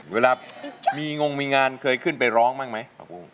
เวลามีงงมีงานเคยขึ้นไปร้องบ้างไหมผักบุ้ง